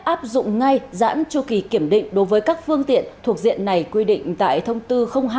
được cho phép áp dụng ngay giãn chu kỳ kiểm định đối với các phương tiện thuộc diện này quy định tại thông tư hai